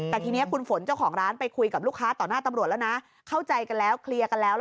แต่ทีนี้คุณฝนเจ้าของร้านไปคุยกับลูกค้าต่อหน้าตำรวจแล้วนะเข้าใจกันแล้วเคลียร์กันแล้ว